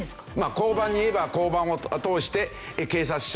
交番に言えば交番を通して警察署。